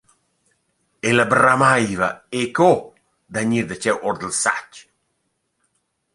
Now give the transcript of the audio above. Ella bramaiva –e co! –da gnir darcheu our dal sach.